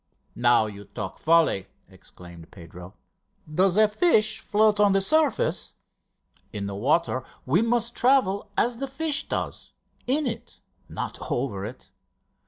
"Now you talk folly," exclaimed Pedro. "Does a fish float on the surface? In the water we must travel as the fish does in it, not over it!